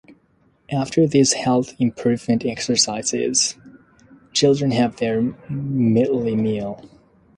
After these health-improvement exercises, children have their midday meal.